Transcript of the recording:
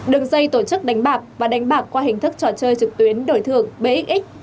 đường dây tổ chức đánh bạc và đánh bạc qua hình thức trò chơi trực tuyến đổi thưởng bxx